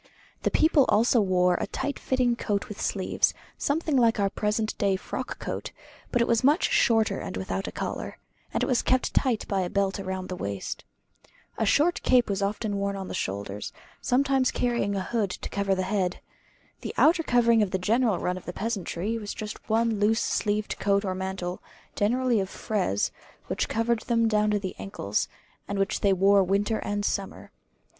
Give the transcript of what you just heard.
The people also wore a tight fitting coat with sleeves, something like our present frock coat; but it was much shorter and without a collar, and it was kept tight by a belt round the waist. A short cape was often worn on the shoulders, sometimes carrying a hood to cover the head. The outer covering of the general run of the peasantry was just one loose sleeved coat or mantle, generally of frieze, which covered them down to the ankles; and which they wore winter and summer.